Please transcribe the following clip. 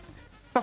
あ。